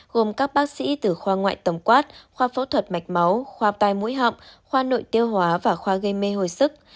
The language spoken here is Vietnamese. gồm các bác sĩ từ khoa ngoại tổng quát khoa phẫu thuật mạch máu khoa tai mũi họng khoa nội tiêu hóa và khoa gây mê hồi sức